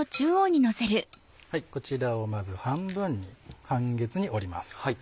こちらをまず半分に半月に折ります。